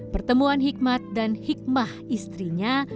pertemuan hikmat dan hikmah istrinya